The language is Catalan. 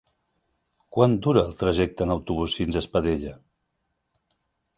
Quant dura el trajecte en autobús fins a Espadella?